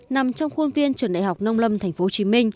nằm trong khuôn viên trường đại học nông lâm tp hcm